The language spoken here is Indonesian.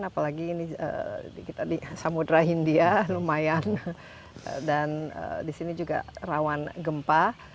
apalagi ini di samudera india lumayan dan di sini juga rawan gempa